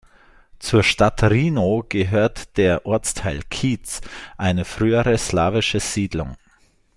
Zur Stadt Rhinow gehört der Ortsteil Kietz, eine frühere slawische Siedlung.